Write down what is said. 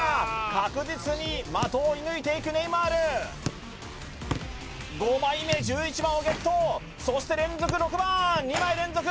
確実に的を射抜いていくネイマール５枚目１１番をゲットそして連続６番２枚連続！